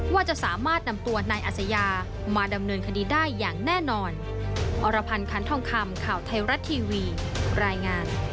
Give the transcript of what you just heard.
ว่าจะสามารถนำตัวนายอัศยามาดำเนินคดีได้อย่างแน่นอน